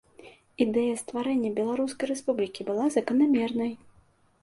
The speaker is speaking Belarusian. Ідэя стварэння беларускай рэспублікі была заканамернай.